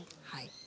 はい。